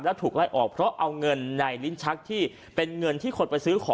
แล้วถูกไล่ออกเพราะเอาเงินในลิ้นชักที่เป็นเงินที่คนไปซื้อของ